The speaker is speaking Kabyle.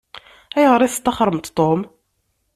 Ayɣer i testaxṛemt Tom?